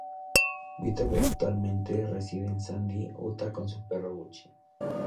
Vito actualmente reside en Sandy, Utah con su perro Gucci.